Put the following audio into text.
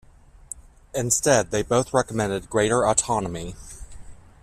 Instead, they both recommend greater autonomy.